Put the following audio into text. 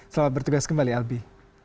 selamat bertugas kembali albi